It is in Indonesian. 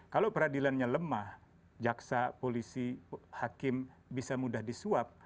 kalau peradilannya lemah jaksa polisi hakim bisa mudah disuap